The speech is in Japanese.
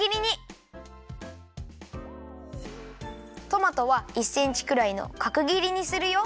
トマトは１センチくらいのかくぎりにするよ。